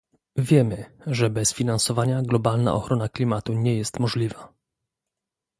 Wiemy, że bez finansowania globalna ochrona klimatu nie jest możliwa